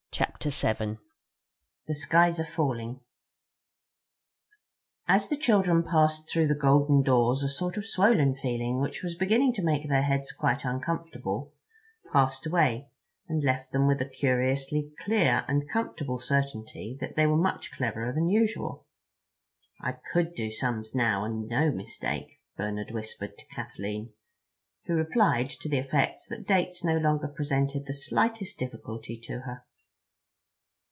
CHAPTER SEVEN The Skies Are Falling AS THE CHILDREN passed through the golden doors a sort of swollen feeling which was beginning to make their heads quite uncomfortable passed away, and left them with a curiously clear and comfortable certainty that they were much cleverer than usual. "I could do sums now, and no mistake," Bernard whispered to Kathleen, who replied to the effect that dates no longer presented the slightest difficulty to her.